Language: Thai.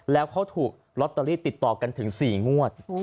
แล้วเขาถูกลอตเตอรี่ติดต่อกันถึง๔งวด